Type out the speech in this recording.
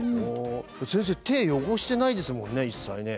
先生手汚してないですもんね一切ね。